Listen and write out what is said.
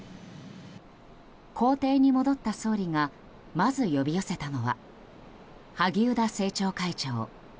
公邸に戻った総理がまず呼び寄せたのは萩生田政調会長。